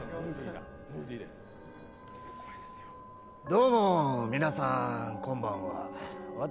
どうも、皆さん、こんばんわ。